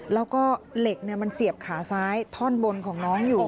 แล้วก็เหล็กมันเสียบขาซ้ายท่อนบนของน้องอยู่